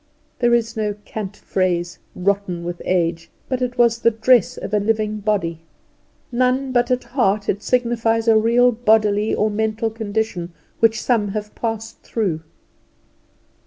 There is no cant phrase, rotten with age, but it was the dress of a living body; none but at heart it signifies a real bodily or mental condition which some have passed through.